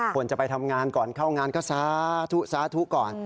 คนจะไปทำงานก่อนเข้างานก็สาธุสาธุก่อน